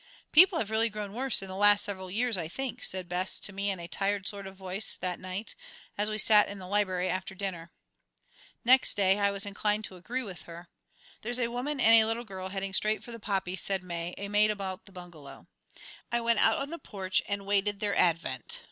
"People have really grown worse in the last several years, I think," said Bess to me in a tired sort of voice that night, as we sat in the library after dinner. Next day I was inclined to agree with her. "There's a woman and a little girl heading straight for the poppies," said May, a maid about the bungalow. I went out on the porch and waited their advent.